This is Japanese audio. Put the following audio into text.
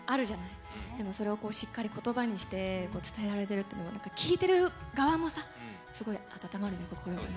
でもそれをしっかり言葉にして伝えられてるって何か聞いてる側もさすごい温まるね心がね。